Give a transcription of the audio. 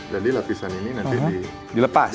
jadi lapisan ini nanti dilepas